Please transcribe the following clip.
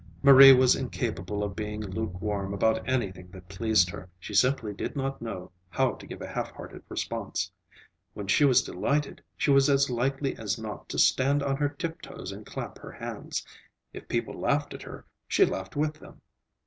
Marie was incapable of being lukewarm about anything that pleased her. She simply did not know how to give a half hearted response. When she was delighted, she was as likely as not to stand on her tip toes and clap her hands. If people laughed at her, she laughed with them.